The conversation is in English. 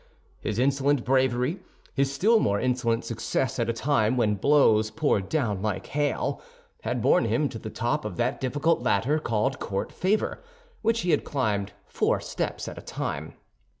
His insolent bravery, his still more insolent success at a time when blows poured down like hail, had borne him to the top of that difficult ladder called Court Favor, which he had climbed four steps at a time.